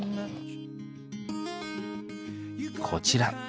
こちら。